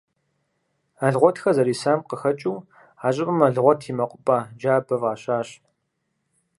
Алгъуэтхэ зэрисам къыхэкӏыу, а щӏыпӏэм «Алгъуэт и мэкъупӏэ джабэ» фӏащащ.